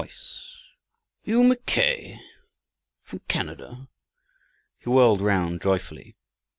"Are you Mackay from Canada?" He whirled round joyfully.